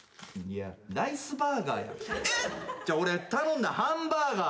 俺頼んだのハンバーガー。